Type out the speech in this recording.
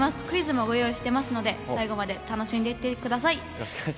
クイズもご用意していますので、最後まで楽しんでいってください。